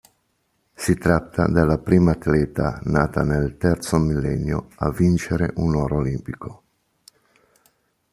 Si tratta della prima atleta nata nel terzo millennio a vincere un oro olimpico.